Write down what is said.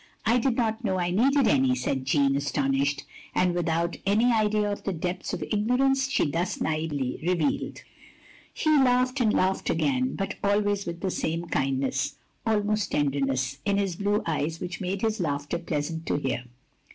"I did not know I needed any," said Jeanne, astonished, and without any idea of the depths of ignorance she thus naively revealed. He laughed, and laughed again; but always with the same kindness — ^almost tenderness — ^in his blue eyes which made his laughter pleasant to hear.